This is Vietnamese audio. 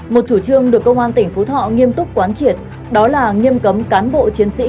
một chủ trương được công an tỉnh phú thọ nghiêm túc quán triệt đó là nghiêm cấm cán bộ chiến sĩ